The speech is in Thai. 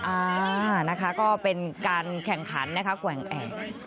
อ่านะคะก็เป็นการแข่งขันนะครับแข่งแข่ง